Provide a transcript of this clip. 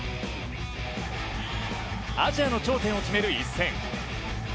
アジアの頂点を決める一戦。